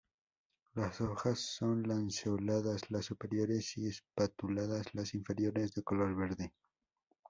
Las hojas son lanceoladas las superiores y espatuladas las inferiores, de color verde.